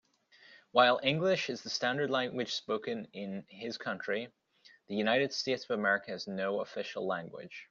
While English is the standard language spoken in his country, the United States of America has no official language.